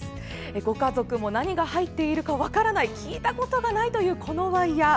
ご家族も何が入っているか分からない聞いたこともないというこのワイヤー。